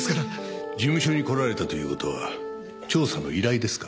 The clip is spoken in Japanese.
事務所に来られたという事は調査の依頼ですか？